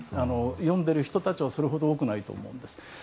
読んでいる人たちはそれほど多くないと思います。